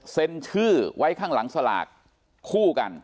เซ็นชื่อไว้ข้างหลังสลากคู่กัน